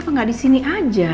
apa gak disini aja